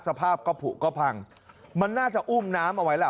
สภาพก็ผูกก็พังมันน่าจะอุ้มน้ำเอาไว้ล่ะ